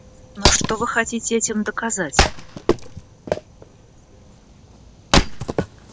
Но что вы хотите этим доказать?